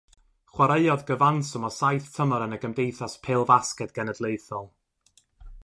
Chwaraeodd gyfanswm o saith tymor yn y Gymdeithas Pêl-fasged Genedlaethol.